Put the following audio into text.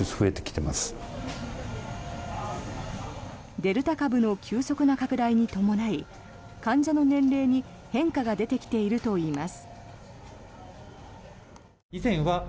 デルタ株の急速な拡大に伴い患者の年齢に変化が出てきているといいます。